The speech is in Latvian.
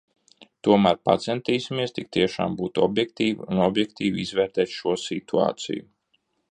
Tomēr pacentīsimies tik tiešām būt objektīvi un objektīvi izvērtēt šo situāciju!